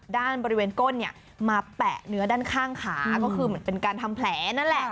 บริเวณก้นเนี่ยมาแปะเนื้อด้านข้างขาก็คือเหมือนเป็นการทำแผลนั่นแหละ